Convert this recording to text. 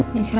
nah ya istri